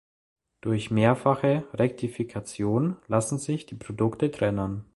Durch mehrfache Rektifikation lassen sich die Produkte trennen.